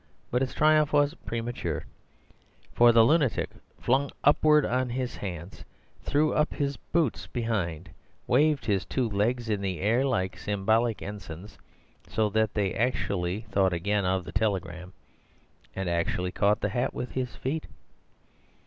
But its triumph was premature; for the lunatic, flung forward on his hands, threw up his boots behind, waved his two legs in the air like symbolic ensigns (so that they actually thought again of the telegram), and actually caught the hat with his feet.